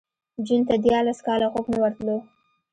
جون ته دیارلس کاله خوب نه ورتلو